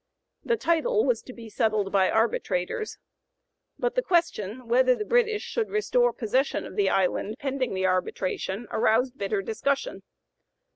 The title was to be settled by arbitrators. But the question, whether the British should restore possession of the island pending the arbitration, aroused bitter discussion.